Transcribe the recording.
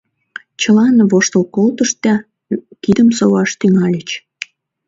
Чылан воштыл колтышт да кидым соваш тӱҥальыч.